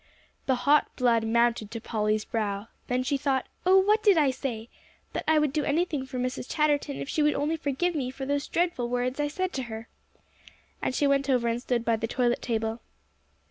The hot blood mounted to Polly's brow. Then she thought, "Oh, what did I say? That I would do anything for Mrs. Chatterton if she would only forgive me for those dreadful words I said to her." And she went over and stood by the toilet table.